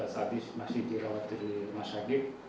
sadis masih dirawat di rumah sakit